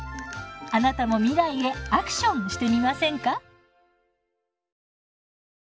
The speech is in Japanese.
あなたも未来へアクションしてみませんか？